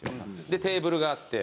でテーブルがあって。